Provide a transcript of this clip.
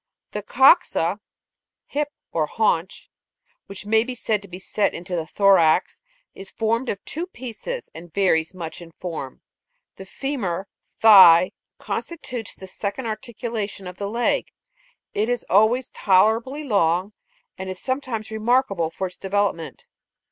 The coxa (hip or haunch), which may be said to be set into the thorax, is formed of two pieces, and varies much in form. The femur (thigh, m t Jig. 3) constitutes the second articulation of the leg ; it is always tolerably long, and is sometimes remarkable for its development.